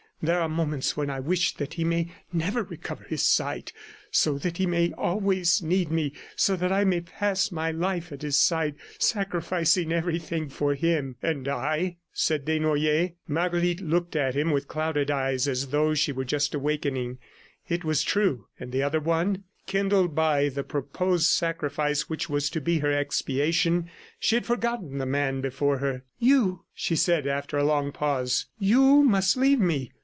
... There are moments when I wish that he may never recover his sight, so that he may always need me, so that I may pass my life at his side, sacrificing everything for him." "And I?" said Desnoyers. Marguerite looked at him with clouded eyes as though she were just awaking. It was true and the other one? ... Kindled by the proposed sacrifice which was to be her expiation, she had forgotten the man before her. "You!" she said after a long pause. "You must leave me.